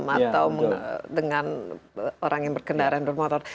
atau dengan orang yang berkendaraan bermotor